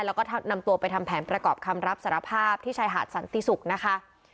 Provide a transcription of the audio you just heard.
แล้วก็นำตัวไปทำแผนประกอบคำรับสารภาพที่ชายหาดสันติศุกร์นะคะ